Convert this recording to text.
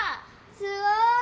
すごい！